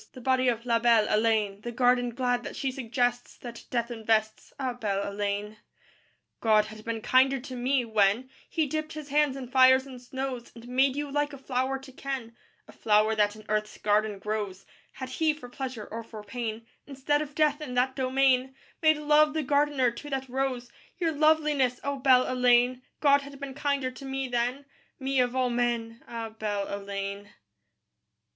The body of La belle Heléne; The garden glad that she suggests, That Death invests, Ah, belle Heléne. III God had been kinder to me, when He dipped His hands in fires and snows And made you like a flower to ken, A flower that in Earth's garden grows, Had He, for pleasure or for pain, Instead of Death in that domain, Made Love the gardener to that rose, Your loveliness, O belle Heléne! God had been kinder to me then Me of all men, Ah, belle Heléne.